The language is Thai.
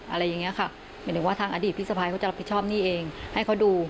อะไรอย่างนี้ค่ะ